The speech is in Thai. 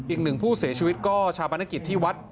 อีกหนึ่งผู้เสียชีวิตก็ชาปนกิจที่วัด